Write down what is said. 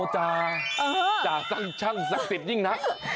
จ่าช่างศักดิ์สิทธิยิ่งนัก